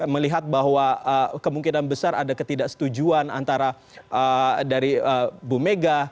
melihat bahwa kemungkinan besar ada ketidaksetujuan antara dari bu mega